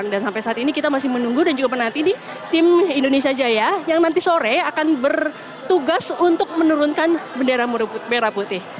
dan sampai saat ini kita masih menunggu dan juga menanti di tim indonesia jaya yang nanti sore akan bertugas untuk menurunkan bendera merah putih